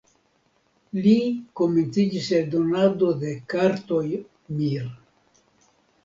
La komenciĝis eldonado de kartoj Mir.